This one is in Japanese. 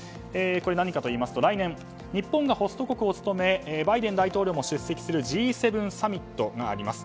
何かといいますと来年日本がホスト国を務めバイデン大統領も出席するＧ７サミットがあります。